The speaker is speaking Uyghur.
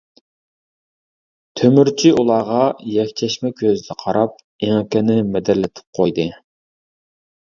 تۆمۈرچى ئۇلارغا يەكچەشمە كۆزىدە قاراپ، ئېڭىكىنى مىدىرلىتىپ قويدى.